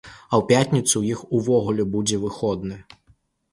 А ў пятніцу ў іх увогуле будзе выходны.